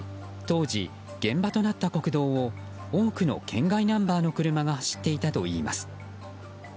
当時、現場となった国道を多くの県外ナンバーの車が走っていたといいます。